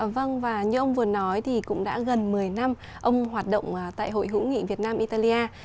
vâng và như ông vừa nói thì cũng đã gần một mươi năm ông hoạt động tại hội hữu nghị việt nam italia